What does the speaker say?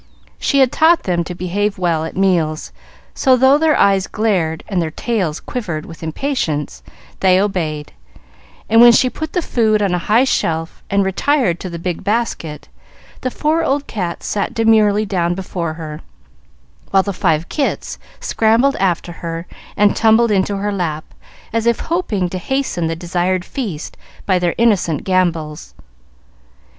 She had taught them to behave well at meals, so, though their eyes glared and their tails quivered with impatience, they obeyed; and when she put the food on a high shelf and retired to the big basket, the four old cats sat demurely down before her, while the five kits scrambled after her and tumbled into her lap, as if hoping to hasten the desired feast by their innocent gambols.